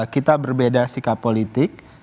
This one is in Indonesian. kita berbeda sikap politik